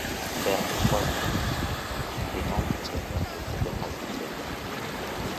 Père de trois enfants, il était membre d'honneur de l'Opéra de Vienne.